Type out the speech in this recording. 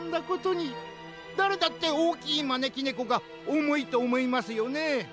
だれだっておおきいまねきねこがおもいとおもいますよねえ。